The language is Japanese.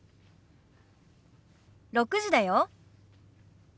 ６時だよ。